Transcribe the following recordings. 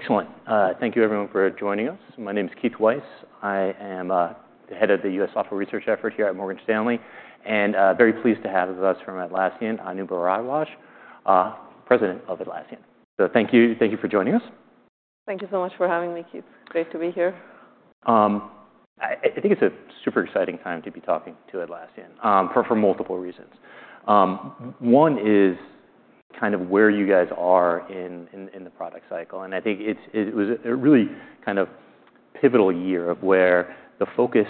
Excellent. Thank you, everyone, for joining us. My name is Keith Weiss. I am the Head of the U.S. Software Research effort here at Morgan Stanley, and I'm very pleased to have with us from Atlassian Anu Bharadwaj, President of Atlassian. So thank you for joining us. Thank you so much for having me, Keith. Great to be here. I think it's a super exciting time to be talking to Atlassian for multiple reasons. One is kind of where you guys are in the product cycle, and I think it was a really kind of pivotal year of where the focus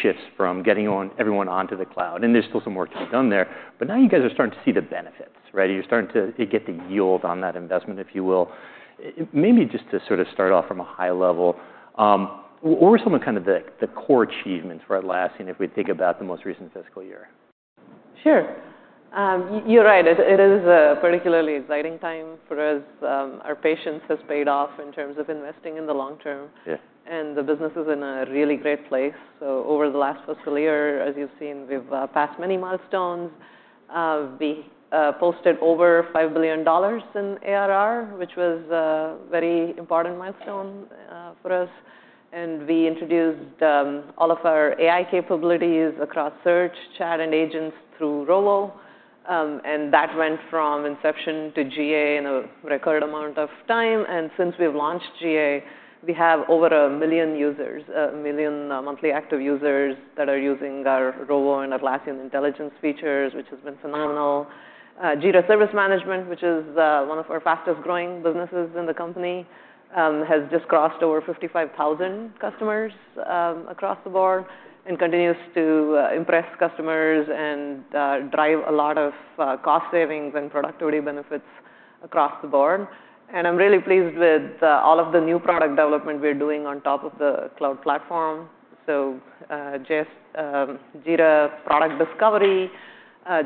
shifts from getting everyone onto the cloud, and there's still some work to be done there, but now you guys are starting to see the benefits, right? You're starting to get the yield on that investment, if you will. Maybe just to sort of start off from a high level, what were some of kind of the core achievements for Atlassian if we think about the most recent fiscal year? Sure. You're right. It is a particularly exciting time for us. Our patience has paid off in terms of investing in the long term, and the business is in a really great place. So over the last fiscal year, as you've seen, we've passed many milestones. We posted over $5 billion in ARR, which was a very important milestone for us. And we introduced all of our AI capabilities across search, chat, and agents through Rovo. And that went from inception to GA in a record amount of time. And since we've launched GA, we have over a million users, a million monthly active users that are using our Rovo and Atlassian Intelligence features, which has been phenomenal. Jira Service Management, which is one of our fastest growing businesses in the company, has just crossed over 55,000 customers across the board and continues to impress customers and drive a lot of cost savings and productivity benefits across the board, and I'm really pleased with all of the new product development we're doing on top of the cloud platform, so Jira Product Discovery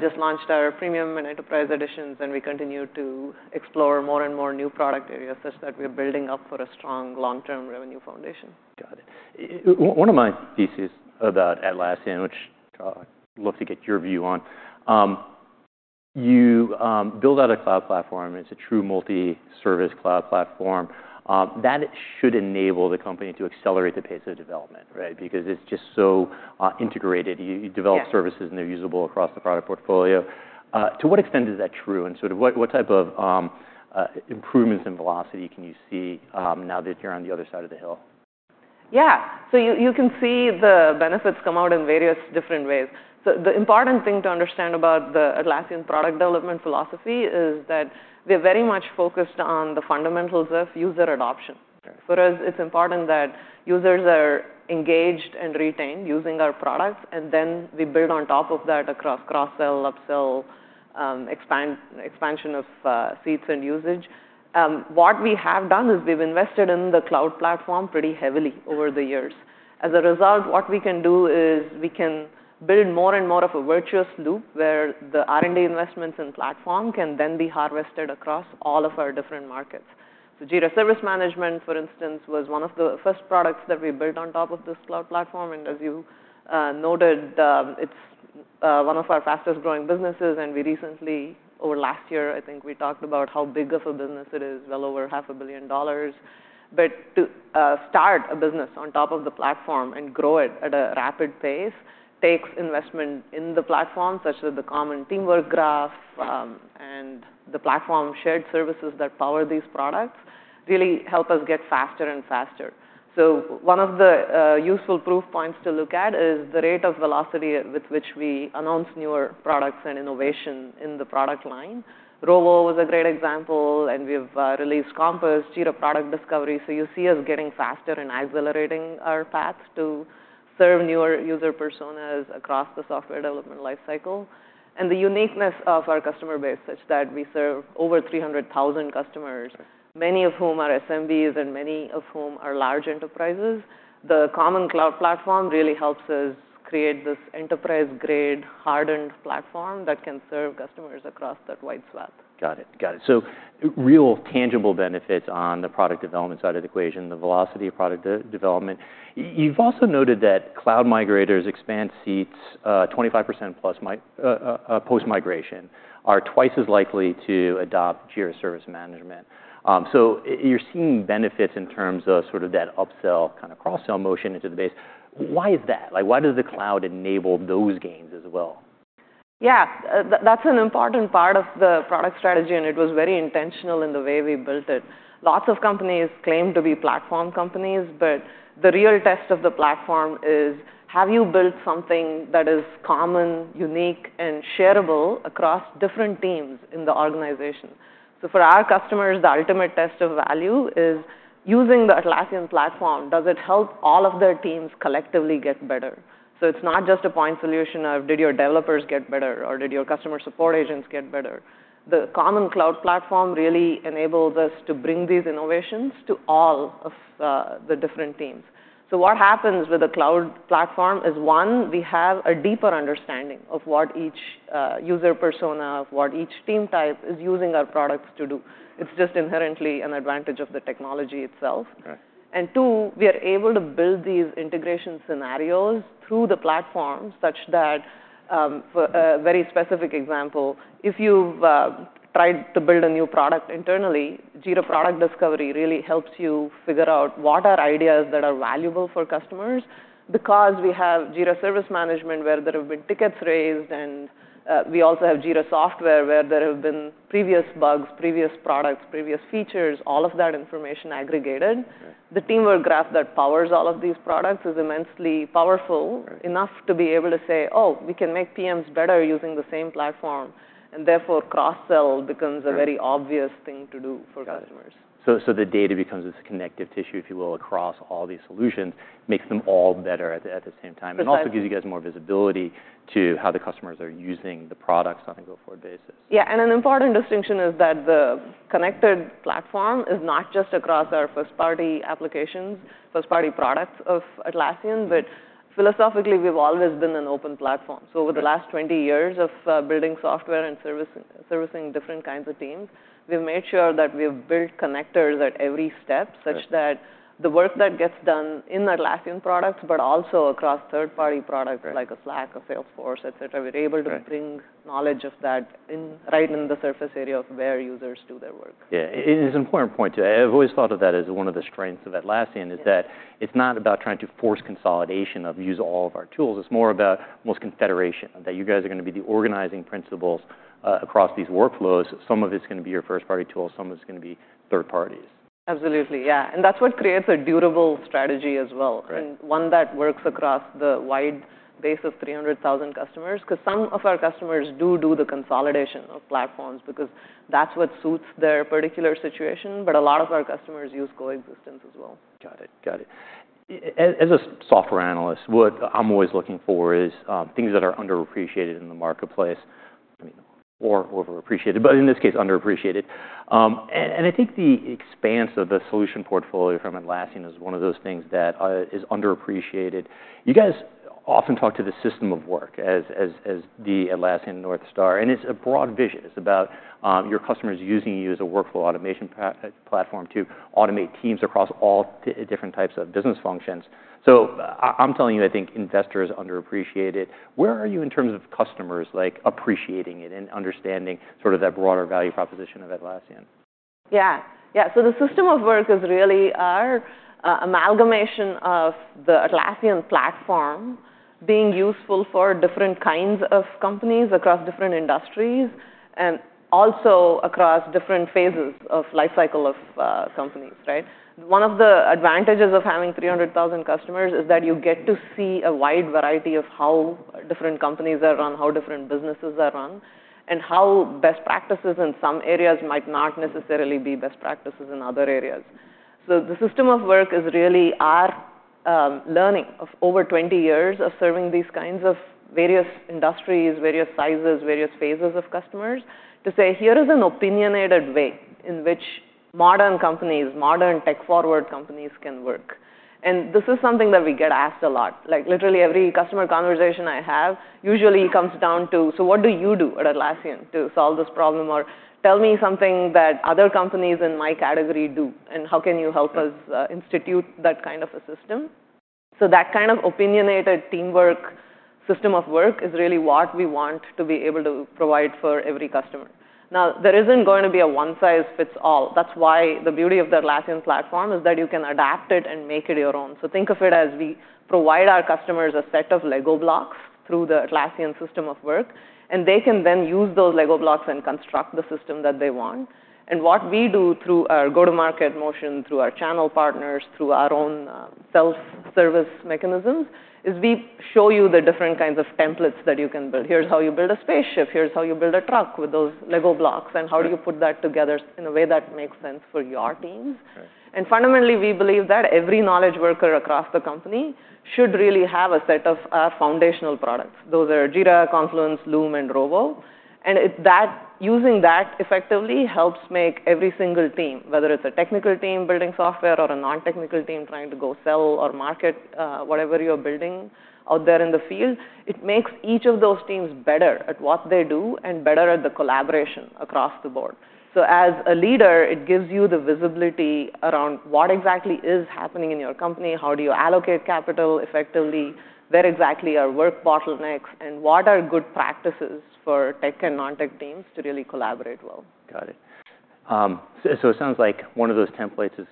just launched our Premium and enterprise editions, and we continue to explore more and more new product areas such that we're building up for a strong long-term revenue foundation. Got it. One of my theses about Atlassian, which I'd love to get your view on, you build out a cloud platform. It's a true multi-service cloud platform. That should enable the company to accelerate the pace of development, right? Because it's just so integrated. You develop services, and they're usable across the product portfolio. To what extent is that true? And sort of what type of improvements in velocity can you see now that you're on the other side of the hill? Yeah. So you can see the benefits come out in various different ways. So the important thing to understand about the Atlassian product development philosophy is that we're very much focused on the fundamentals of user adoption. For us, it's important that users are engaged and retained using our product. And then we build on top of that across cross-sell, upsell, expansion of seats and usage. What we have done is we've invested in the cloud platform pretty heavily over the years. As a result, what we can do is we can build more and more of a virtuous loop where the R&D investments in the platform can then be harvested across all of our different markets. So Jira Service Management, for instance, was one of the first products that we built on top of this cloud platform. And as you noted, it's one of our fastest growing businesses. We recently, over last year, I think we talked about how big of a business it is, well over $500 million. To start a business on top of the platform and grow it at a rapid pace takes investment in the platform, such as the common Teamwork Graph and the platform shared services that power these products really help us get faster and faster. One of the useful proof points to look at is the rate of velocity with which we announce newer products and innovation in the product line. Rovo was a great example. We've released Compass, Jira Product Discovery. You see us getting faster and accelerating our path to serve newer user personas across the software development lifecycle. The uniqueness of our customer base, such that we serve over 300,000 customers, many of whom are SMBs and many of whom are large enterprises, the common cloud platform really helps us create this enterprise-grade, hardened platform that can serve customers across that wide swath. Got it. Got it. So real tangible benefits on the product development side of the equation, the velocity of product development. You've also noted that cloud migrators expand seats 25% plus post-migration, are twice as likely to adopt Jira Service Management. So you're seeing benefits in terms of sort of that upsell, kind of cross-sell motion into the base. Why is that? Why does the cloud enable those gains as well? Yeah. That's an important part of the product strategy. And it was very intentional in the way we built it. Lots of companies claim to be platform companies. But the real test of the platform is, have you built something that is common, unique, and shareable across different teams in the organization? So for our customers, the ultimate test of value is using the Atlassian platform. Does it help all of their teams collectively get better? So it's not just a point solution of, did your developers get better, or did your customer support agents get better? The common cloud platform really enables us to bring these innovations to all of the different teams. So what happens with a cloud platform is, one, we have a deeper understanding of what each user persona, of what each team type is using our products to do. It's just inherently an advantage of the technology itself, and two, we are able to build these integration scenarios through the platform such that, for a very specific example, if you've tried to build a new product internally, Jira Product Discovery really helps you figure out what are ideas that are valuable for customers. Because we have Jira Service Management, where there have been tickets raised, and we also have Jira Software, where there have been previous bugs, previous products, previous features, all of that information aggregated. The Teamwork Graph that powers all of these products is immensely powerful enough to be able to say, oh, we can make PMs better using the same platform, and therefore, cross-sell becomes a very obvious thing to do for customers. The data becomes this connective tissue, if you will, across all these solutions, makes them all better at the same time, and also gives you guys more visibility to how the customers are using the products on a go-forward basis. Yeah. And an important distinction is that the connected platform is not just across our first-party applications, first-party products of Atlassian. But philosophically, we've always been an open platform. So over the last 20 years of building software and servicing different kinds of teams, we've made sure that we have built connectors at every step such that the work that gets done in Atlassian products, but also across third-party products like Slack, Salesforce, et cetera, we're able to bring knowledge of that right in the surface area of where users do their work. Yeah. It's an important point too. I've always thought of that as one of the strengths of Atlassian, is that it's not about trying to force consolidation or use of all of our tools. It's more about almost confederation, that you guys are going to be the organizing principles across these workflows. Some of it's going to be your first-party tools. Some of it's going to be third parties. Absolutely. Yeah, and that's what creates a durable strategy as well, and one that works across the wide base of 300,000 customers. Because some of our customers do do the consolidation of platforms because that's what suits their particular situation, but a lot of our customers use coexistence as well. Got it. Got it. As a software analyst, what I'm always looking for is things that are underappreciated in the marketplace or overappreciated, but in this case, underappreciated. And I think the expanse of the solution portfolio from Atlassian is one of those things that is underappreciated. You guys often talk to the System of Work as the Atlassian North Star. And it's a broad vision. It's about your customers using you as a workflow automation platform to automate teams across all different types of business functions. So I'm telling you, I think investors underappreciate it. Where are you in terms of customers appreciating it and understanding sort of that broader value proposition of Atlassian? Yeah. Yeah. So the System of Work is really our amalgamation of the Atlassian platform being useful for different kinds of companies across different industries and also across different phases of lifecycle of companies, right? One of the advantages of having 300,000 customers is that you get to see a wide variety of how different companies are run, how different businesses are run, and how best practices in some areas might not necessarily be best practices in other areas. So the System of Work is really our learning of over 20 years of serving these kinds of various industries, various sizes, various phases of customers to say, here is an opinionated way in which modern companies, modern tech-forward companies can work. And this is something that we get asked a lot. Literally, every customer conversation I have usually comes down to, so what do you do at Atlassian to solve this problem? Or tell me something that other companies in my category do. And how can you help us institute that kind of a system? So that kind of opinionated teamwork System of Work is really what we want to be able to provide for every customer. Now, there isn't going to be a one-size-fits-all. That's why the beauty of the Atlassian platform is that you can adapt it and make it your own. So think of it as we provide our customers a set of Lego blocks through the Atlassian System of Work. And they can then use those Lego blocks and construct the system that they want. And what we do through our go-to-market motion, through our channel partners, through our own self-service mechanisms, is we show you the different kinds of templates that you can build. Here's how you build a spaceship. Here's how you build a truck with those Lego blocks. And how do you put that together in a way that makes sense for your teams? And fundamentally, we believe that every knowledge worker across the company should really have a set of foundational products. Those are Jira, Confluence, Loom, and Rovo. And using that effectively helps make every single team, whether it's a technical team building software or a non-technical team trying to go sell or market whatever you're building out there in the field, it makes each of those teams better at what they do and better at the collaboration across the board. So, as a leader, it gives you the visibility around what exactly is happening in your company, how do you allocate capital effectively, where exactly are work bottlenecks, and what are good practices for tech and non-tech teams to really collaborate well. Got it. So it sounds like one of those templates is,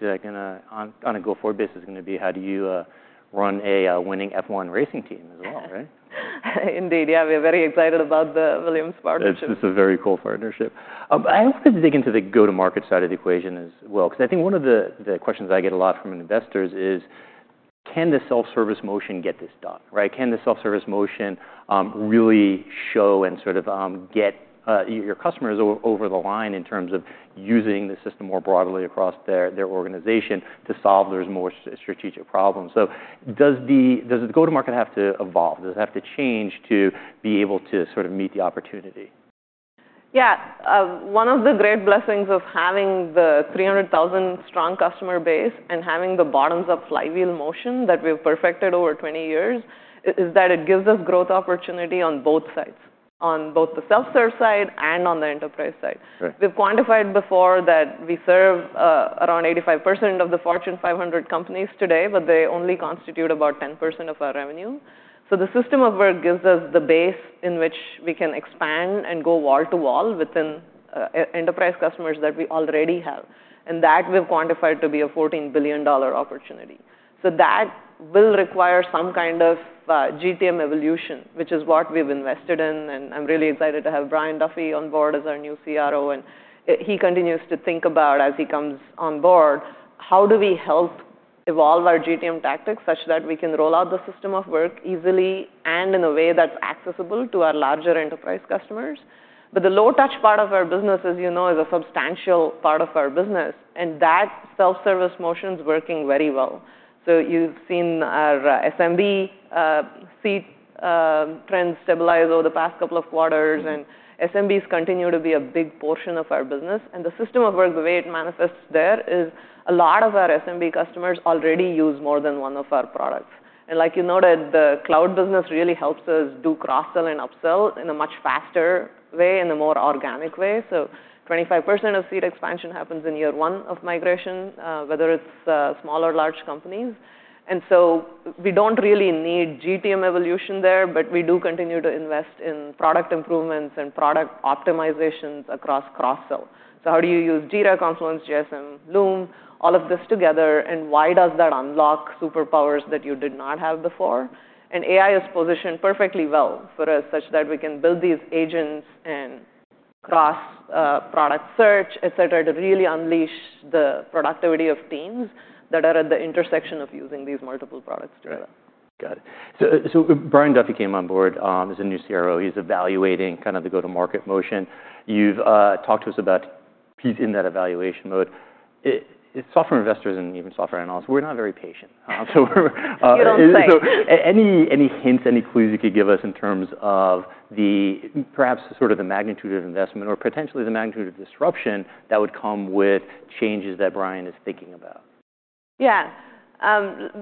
on a go-forward basis, going to be how do you run a winning F1 racing team as well, right? Indeed. Yeah. We're very excited about the Williams partnership. It's a very cool partnership. I wanted to dig into the go-to-market side of the equation as well. Because I think one of the questions I get a lot from investors is, can the self-service motion get this done, right? Can the self-service motion really show and sort of get your customers over the line in terms of using the system more broadly across their organization to solve those more strategic problems? So does the go-to-market have to evolve? Does it have to change to be able to sort of meet the opportunity? Yeah. One of the great blessings of having the 300,000 strong customer base and having the bottoms-up flywheel motion that we've perfected over 20 years is that it gives us growth opportunity on both sides, on both the self-serve side and on the enterprise side. We've quantified before that we serve around 85% of the Fortune 500 companies today, but they only constitute about 10% of our revenue. So the System of Work gives us the base in which we can expand and go wall-to-wall within enterprise customers that we already have. And that we've quantified to be a $14 billion opportunity. So that will require some kind of GTM evolution, which is what we've invested in. And I'm really excited to have Brian Duffy on board as our new CRO. He continues to think about, as he comes on board, how do we help evolve our GTM tactics such that we can roll out the System of Work easily and in a way that's accessible to our larger enterprise customers. But the low-touch part of our business, as you know, is a substantial part of our business. And that self-service motion is working very well. So you've seen our SMB seat trends stabilize over the past couple of quarters. And SMBs continue to be a big portion of our business. And the System of Work, the way it manifests there, is a lot of our SMB customers already use more than one of our products. And like you noted, the cloud business really helps us do cross-sell and upsell in a much faster way, in a more organic way. So 25% of seat expansion happens in year one of migration, whether it's small or large companies. And so we don't really need GTM evolution there. But we do continue to invest in product improvements and product optimizations across cross-sell. So how do you use Jira, Confluence, JSM, Loom, all of this together? And why does that unlock superpowers that you did not have before? And AI is positioned perfectly well for us such that we can build these agents and cross-product search, et cetera, to really unleash the productivity of teams that are at the intersection of using these multiple products together. Got it. So Brian Duffy came on board as a new CRO. He's evaluating kind of the go-to-market motion. You've talked to us about he's in that evaluation mode. Software investors and even software analysts, we're not very patient. You don't think. Any hints, any clues you could give us in terms of perhaps sort of the magnitude of investment or potentially the magnitude of disruption that would come with changes that Brian is thinking about? Yeah.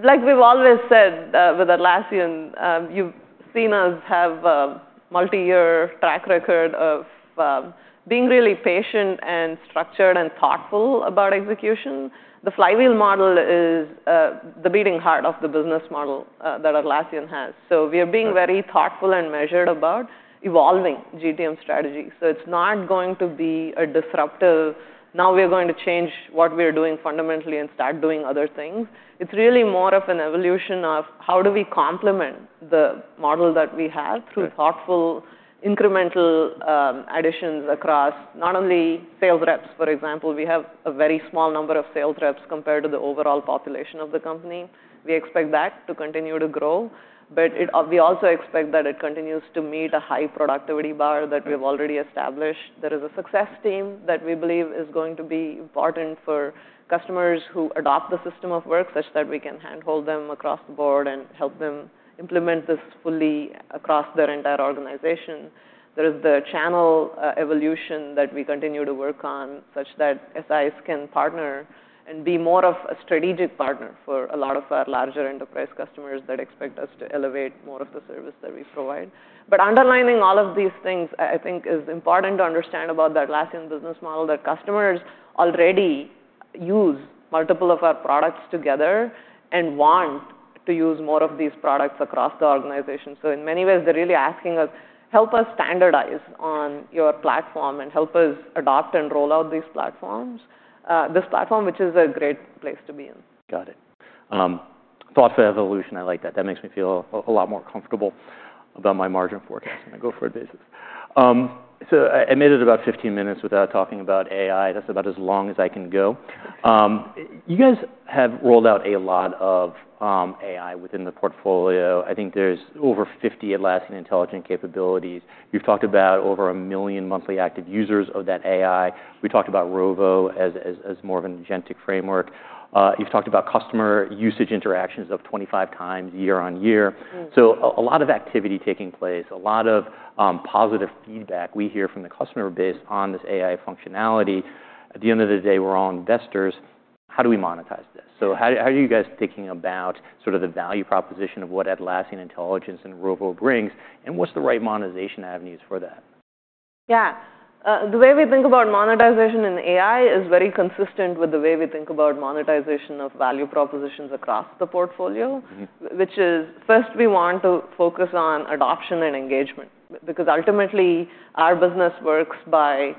Like we've always said with Atlassian, you've seen us have a multi-year track record of being really patient and structured and thoughtful about execution. The flywheel model is the beating heart of the business model that Atlassian has, so we are being very thoughtful and measured about evolving GTM strategy, so it's not going to be a disruptive, "now we are going to change what we are doing fundamentally and start doing other things." It's really more of an evolution of how do we complement the model that we have through thoughtful incremental additions across not only sales reps. For example, we have a very small number of sales reps compared to the overall population of the company. We expect that to continue to grow. But we also expect that it continues to meet a high productivity bar that we've already established. There is a success team that we believe is going to be important for customers who adopt the System of Work such that we can handhold them across the board and help them implement this fully across their entire organization. There is the channel evolution that we continue to work on such that SIs can partner and be more of a strategic partner for a lot of our larger enterprise customers that expect us to elevate more of the service that we provide, but underlining all of these things, I think, is important to understand about the Atlassian business model that customers already use multiple of our products together and want to use more of these products across the organization. So in many ways, they're really asking us, help us standardize on your platform and help us adopt and roll out these platforms, this platform, which is a great place to be in. Got it. Thoughtful evolution. I like that. That makes me feel a lot more comfortable about my margin forecast on a go-forward basis. So I made it about 15 minutes without talking about AI. That's about as long as I can go. You guys have rolled out a lot of AI within the portfolio. I think there's over 50 Atlassian Intelligence capabilities. You've talked about over a million monthly active users of that AI. We talked about Rovo as more of an agentic framework. You've talked about customer usage interactions of 25 times year-on-year. So a lot of activity taking place, a lot of positive feedback we hear from the customer base on this AI functionality. At the end of the day, we're all investors. How do we monetize this? So how are you guys thinking about sort of the value proposition of what Atlassian Intelligence and Rovo brings? And what's the right monetization avenues for that? Yeah. The way we think about monetization in AI is very consistent with the way we think about monetization of value propositions across the portfolio, which is first we want to focus on adoption and engagement. Because ultimately, our business works by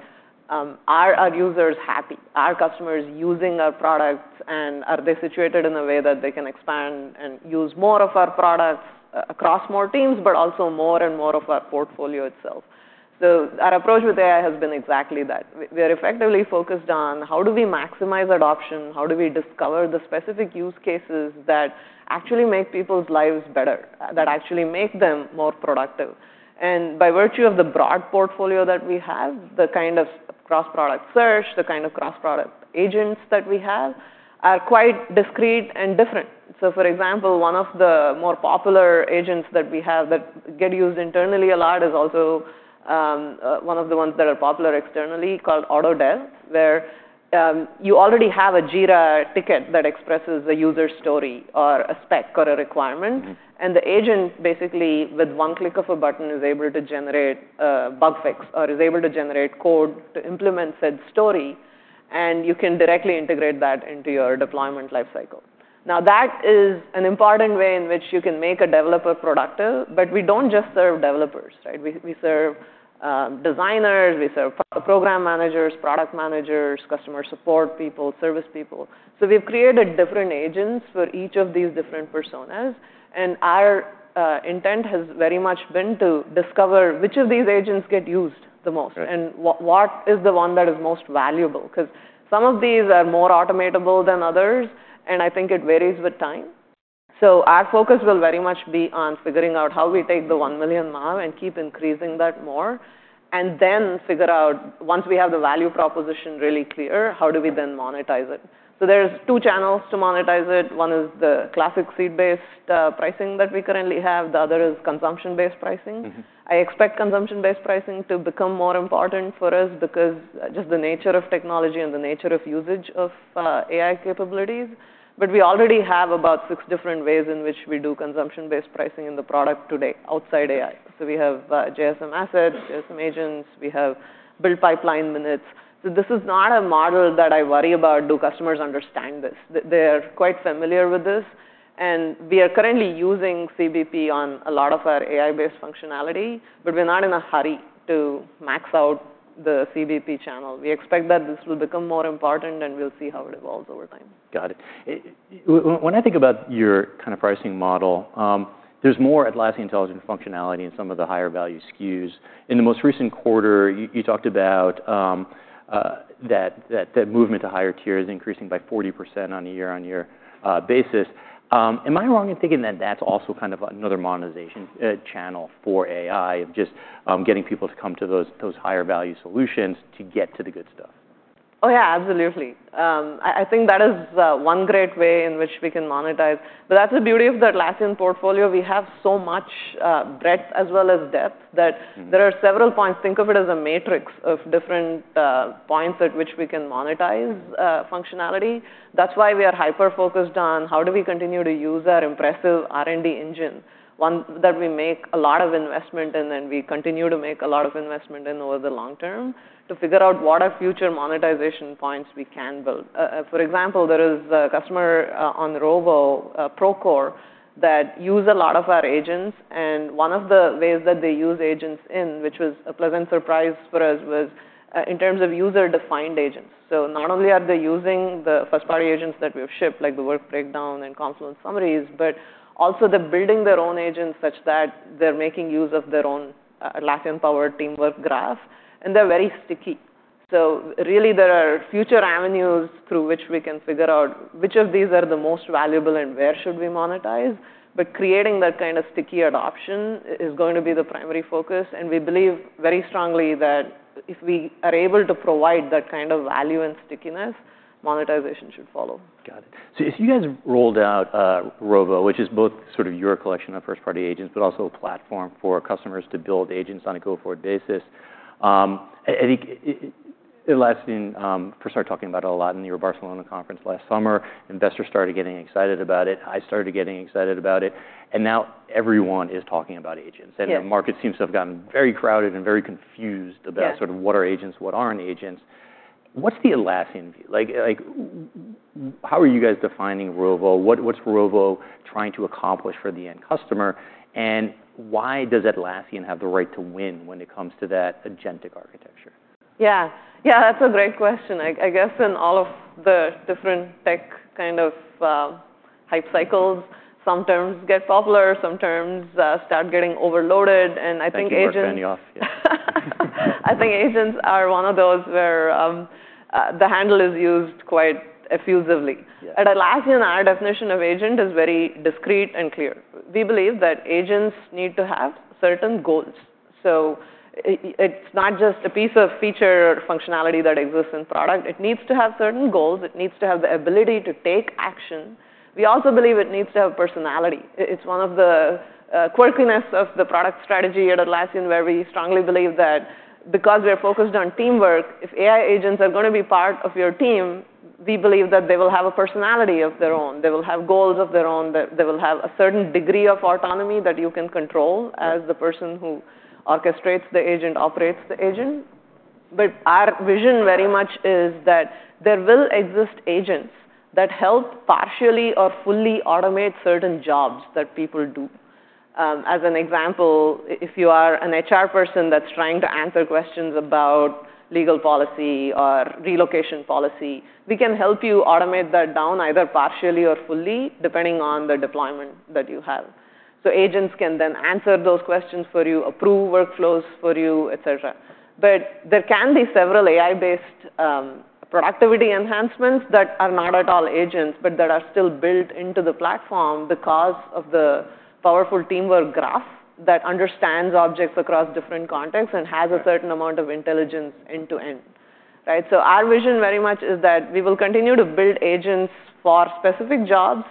are our users happy, our customers using our products, and are they situated in a way that they can expand and use more of our products across more teams, but also more and more of our portfolio itself? So our approach with AI has been exactly that. We are effectively focused on how do we maximize adoption, how do we discover the specific use cases that actually make people's lives better, that actually make them more productive. And by virtue of the broad portfolio that we have, the kind of cross-product search, the kind of cross-product agents that we have are quite discrete and different. So for example, one of the more popular agents that we have that get used internally a lot is also one of the ones that are popular externally called, where you already have a Jira ticket that expresses a user story or a spec or a requirement. And the agent basically, with one click of a button, is able to generate a bug fix or is able to generate code to implement said story. And you can directly integrate that into your deployment lifecycle. Now, that is an important way in which you can make a developer productive. But we don't just serve developers, right? We serve designers. We serve program managers, product managers, customer support people, service people. So we've created different agents for each of these different personas. Our intent has very much been to discover which of these agents get used the most and what is the one that is most valuable. Because some of these are more automatable than others. And I think it varies with time. So our focus will very much be on figuring out how we take the 1 million MAU and keep increasing that more and then figure out, once we have the value proposition really clear, how do we then monetize it? So there's two channels to monetize it. One is the classic seat-based pricing that we currently have. The other is consumption-based pricing. I expect consumption-based pricing to become more important for us because just the nature of technology and the nature of usage of AI capabilities. But we already have about six different ways in which we do consumption-based pricing in the product today outside AI. So we have JSM assets, JSM agents. We have build pipeline minutes. So this is not a model that I worry about. Do customers understand this? They are quite familiar with this. And we are currently using CBP on a lot of our AI-based functionality. But we're not in a hurry to max out the CBP channel. We expect that this will become more important. And we'll see how it evolves over time. Got it. When I think about your kind of pricing model, there's more Atlassian Intelligence functionality in some of the higher value SKUs. In the most recent quarter, you talked about that movement to higher tiers increasing by 40% on a year-on-year basis. Am I wrong in thinking that that's also kind of another monetization channel for AI of just getting people to come to those higher value solutions to get to the good stuff? Oh, yeah, absolutely. I think that is one great way in which we can monetize. But that's the beauty of the Atlassian portfolio. We have so much breadth as well as depth that there are several points. Think of it as a matrix of different points at which we can monetize functionality. That's why we are hyper-focused on how do we continue to use our impressive R&D engine, one that we make a lot of investment in and we continue to make a lot of investment in over the long term to figure out what are future monetization points we can build. For example, there is a customer on Rovo, Procore, that use a lot of our agents. And one of the ways that they use agents in, which was a pleasant surprise for us, was in terms of user-defined agents. So not only are they using the first-party agents that we have shipped, like the work breakdown and Confluence summaries, but also they're building their own agents such that they're making use of their own Atlassian-powered Teamwork Graph. And they're very sticky. So really, there are future avenues through which we can figure out which of these are the most valuable and where should we monetize. But creating that kind of sticky adoption is going to be the primary focus. And we believe very strongly that if we are able to provide that kind of value and stickiness, monetization should follow. Got it. So if you guys rolled out Rovo, which is both sort of your collection of first-party agents, but also a platform for customers to build agents on a go-forward basis, I think Atlassian first started talking about it a lot in the New York-Barcelona conference last summer. Investors started getting excited about it. I started getting excited about it. And now everyone is talking about agents. And the market seems to have gotten very crowded and very confused about sort of what are agents, what aren't agents. What's the Atlassian view? How are you guys defining Rovo? What's Rovo trying to accomplish for the end customer? And why does Atlassian have the right to win when it comes to that agentic architecture? Yeah. Yeah, that's a great question. I guess in all of the different tech kind of hype cycles, some terms get popular. Some terms start getting overloaded. And I think agents. You can't keep us penny off. I think agents are one of those where the term is used quite effusively. At Atlassian, our definition of agent is very discrete and clear. We believe that agents need to have certain goals, so it's not just a piece of feature or functionality that exists in product. It needs to have certain goals. It needs to have the ability to take action. We also believe it needs to have personality. It's one of the quirkiness of the product strategy at Atlassian, where we strongly believe that because we are focused on teamwork, if AI agents are going to be part of your team, we believe that they will have a personality of their own. They will have goals of their own. They will have a certain degree of autonomy that you can control as the person who orchestrates the agent, operates the agent. But our vision very much is that there will exist agents that help partially or fully automate certain jobs that people do. As an example, if you are an HR person that's trying to answer questions about legal policy or relocation policy, we can help you automate that down either partially or fully, depending on the deployment that you have. So agents can then answer those questions for you, approve workflows for you, et cetera. But there can be several AI-based productivity enhancements that are not at all agents, but that are still built into the platform because of the powerful Teamwork Graph that understands objects across different contexts and has a certain amount of intelligence end to end, right? So our vision very much is that we will continue to build agents for specific jobs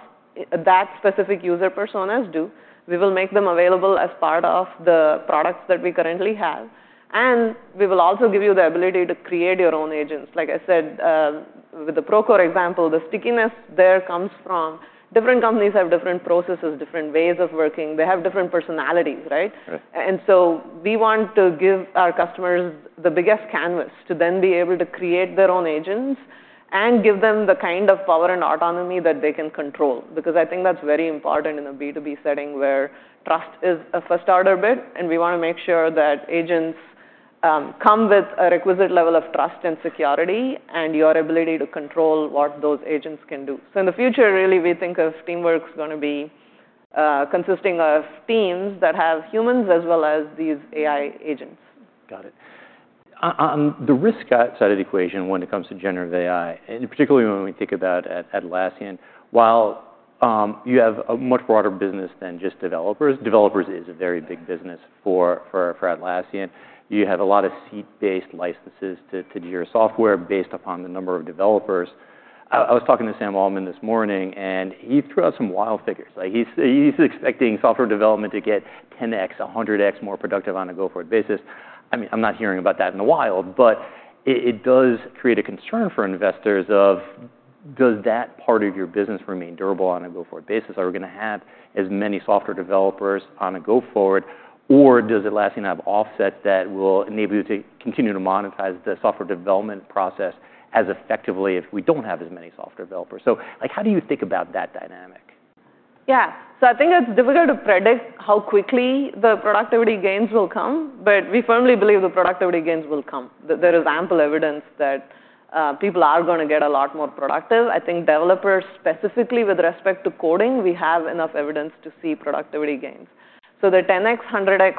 that specific user personas do. We will make them available as part of the products that we currently have, and we will also give you the ability to create your own agents. Like I said, with the Procore example, the stickiness there comes from different companies have different processes, different ways of working. They have different personalities, right, and so we want to give our customers the biggest canvas to then be able to create their own agents and give them the kind of power and autonomy that they can control. Because I think that's very important in a B2B setting where trust is a first-order bit, and we want to make sure that agents come with a requisite level of trust and security and your ability to control what those agents can do. In the future, really, we think of teamwork is going to be consisting of teams that have humans as well as these AI agents. Got it. On the risk side of the equation when it comes to generative AI, and particularly when we think about Atlassian, while you have a much broader business than just developers, developers is a very big business for Atlassian, you have a lot of seat-based licenses to your software based upon the number of developers. I was talking to Sam Altman this morning, and he threw out some wild figures. He's expecting software development to get 10x, 100x more productive on a go-forward basis. I mean, I'm not hearing about that in the wild, but it does create a concern for investors of, does that part of your business remain durable on a go-forward basis? Are we going to have as many software developers on a go-forward? Or does Atlassian have offsets that will enable you to continue to monetize the software development process as effectively if we don't have as many software developers? So how do you think about that dynamic? Yeah. So I think it's difficult to predict how quickly the productivity gains will come. But we firmly believe the productivity gains will come. There is ample evidence that people are going to get a lot more productive. I think developers, specifically with respect to coding, we have enough evidence to see productivity gains. So they're 10x, 100x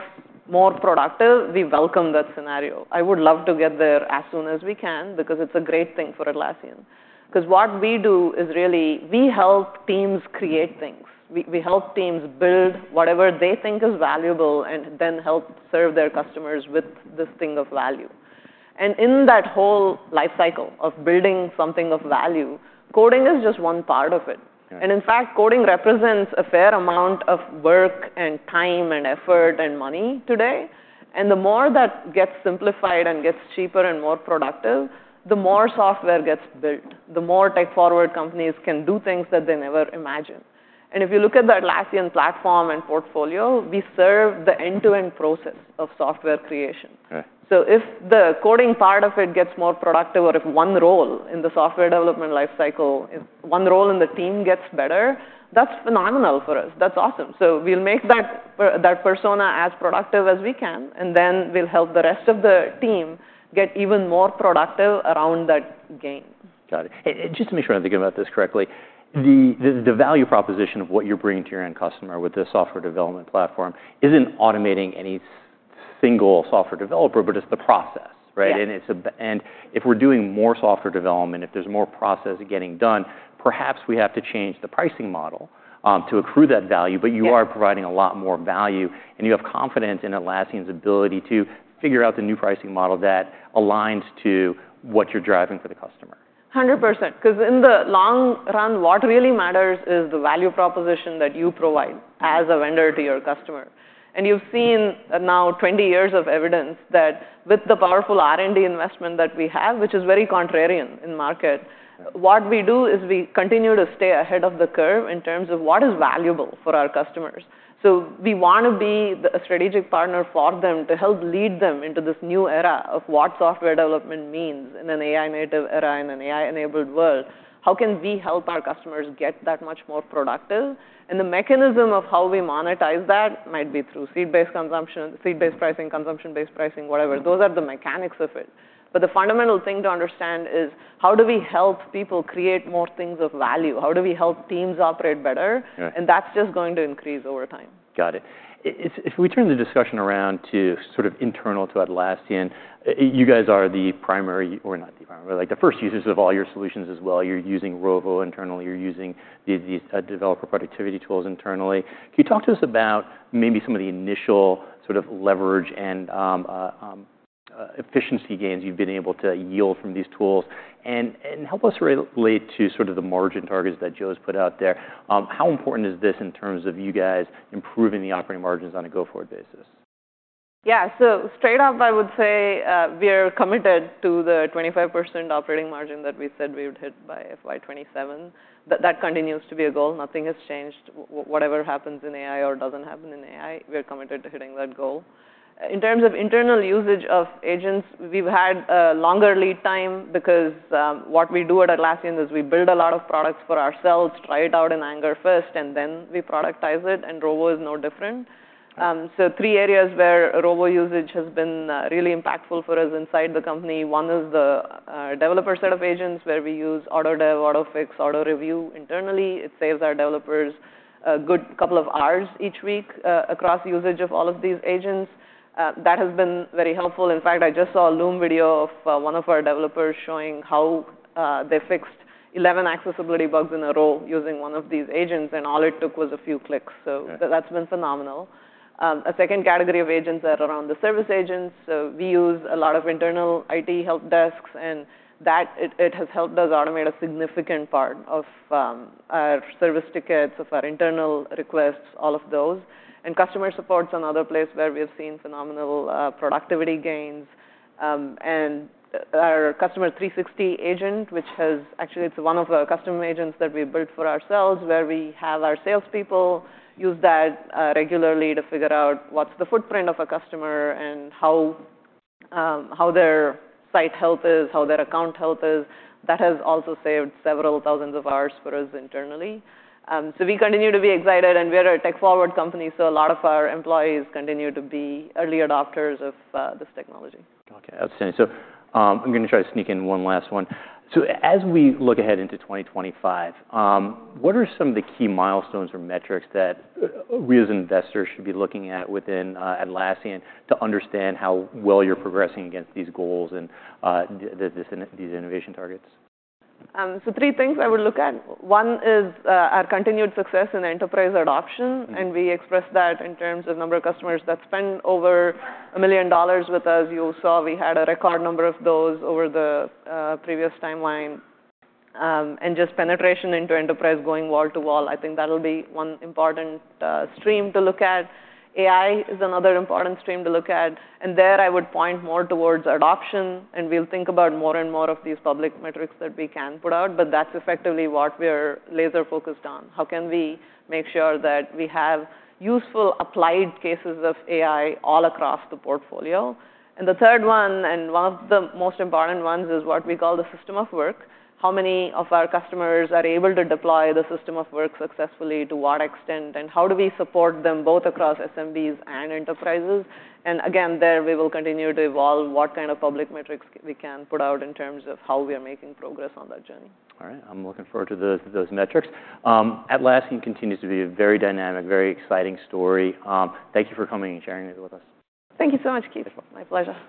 more productive. We welcome that scenario. I would love to get there as soon as we can because it's a great thing for Atlassian. Because what we do is really we help teams create things. We help teams build whatever they think is valuable and then help serve their customers with this thing of value. And in that whole lifecycle of building something of value, coding is just one part of it. And in fact, coding represents a fair amount of work and time and effort and money today. And the more that gets simplified and gets cheaper and more productive, the more software gets built. The more tech-forward companies can do things that they never imagined. And if you look at the Atlassian platform and portfolio, we serve the end-to-end process of software creation. So if the coding part of it gets more productive, or if one role in the software development lifecycle, one role in the team gets better, that's phenomenal for us. That's awesome. So we'll make that persona as productive as we can. And then we'll help the rest of the team get even more productive around that gain. Got it. Just to make sure I'm thinking about this correctly, the value proposition of what you're bringing to your end customer with this software development platform isn't automating any single software developer, but it's the process, right? And if we're doing more software development, if there's more process getting done, perhaps we have to change the pricing model to accrue that value. But you are providing a lot more value. And you have confidence in Atlassian's ability to figure out the new pricing model that aligns to what you're driving for the customer. 100%. Because in the long run, what really matters is the value proposition that you provide as a vendor to your customer. And you've seen now 20 years of evidence that with the powerful R&D investment that we have, which is very contrarian in the market, what we do is we continue to stay ahead of the curve in terms of what is valuable for our customers. So we want to be a strategic partner for them to help lead them into this new era of what software development means in an AI-native era, in an AI-enabled world. How can we help our customers get that much more productive? And the mechanism of how we monetize that might be through seat-based consumption, seat-based pricing, consumption-based pricing, whatever. Those are the mechanics of it. But the fundamental thing to understand is how do we help people create more things of value? How do we help teams operate better? And that's just going to increase over time. Got it. If we turn the discussion around to sort of internal to Atlassian, you guys are the primary or not the primary, but the first users of all your solutions as well. You're using Rovo internally. You're using these developer productivity tools internally. Can you talk to us about maybe some of the initial sort of leverage and efficiency gains you've been able to yield from these tools? And help us relate to sort of the margin targets that Joe's put out there. How important is this in terms of you guys improving the operating margins on a go-forward basis? Yeah. So, straight up, I would say we are committed to the 25% operating margin that we said we would hit by FY27. That continues to be a goal. Nothing has changed. Whatever happens in AI or doesn't happen in AI, we're committed to hitting that goal. In terms of internal usage of agents, we've had a longer lead time because what we do at Atlassian is we build a lot of products for ourselves, try it out in anger first, and then we productize it. And Rovo is no different. So, three areas where Rovo usage has been really impactful for us inside the company. One is the developer set of agents, where we use AutoDev, AutoFix, AutoReview internally. It saves our developers a good couple of hours each week across usage of all of these agents. That has been very helpful. In fact, I just saw a Loom video of one of our developers showing how they fixed 11 accessibility bugs in a row using one of these agents. And all it took was a few clicks. So that's been phenomenal. A second category of agents are around the service agents. So we use a lot of internal IT help desks. And that has helped us automate a significant part of our service tickets, of our internal requests, all of those. And customer support's another place where we have seen phenomenal productivity gains. And our Customer 360 agent, which has actually it's one of our customer agents that we built for ourselves, where we have our salespeople use that regularly to figure out what's the footprint of a customer and how their site health is, how their account health is. That has also saved several thousands of hours for us internally. So we continue to be excited. And we are a tech-forward company. So a lot of our employees continue to be early adopters of this technology. OK. Outstanding. So I'm going to try to sneak in one last one. So as we look ahead into 2025, what are some of the key milestones or metrics that we as investors should be looking at within Atlassian to understand how well you're progressing against these goals and these innovation targets? So three things I would look at. One is our continued success in enterprise adoption. And we express that in terms of number of customers that spend over $1 million with us. You saw we had a record number of those over the previous timeline. And just penetration into enterprise going wall-to-wall, I think that'll be one important stream to look at. AI is another important stream to look at. And there, I would point more towards adoption. And we'll think about more and more of these public metrics that we can put out. But that's effectively what we're laser-focused on. How can we make sure that we have useful applied cases of AI all across the portfolio? And the third one, and one of the most important ones, is what we call the System of Work. How many of our customers are able to deploy the System of Work successfully? To what extent? And how do we support them both across SMBs and enterprises? And again, there, we will continue to evolve what kind of public metrics we can put out in terms of how we are making progress on that journey. All right. I'm looking forward to those metrics. Atlassian continues to be a very dynamic, very exciting story. Thank you for coming and sharing it with us. Thank you so much, Keith. My pleasure.